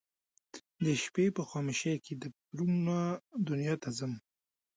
د شپې په خاموشۍ کې د فکرونه دنیا ته ځم